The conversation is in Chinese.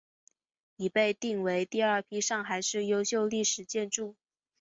已被定为第二批上海市优秀历史建筑。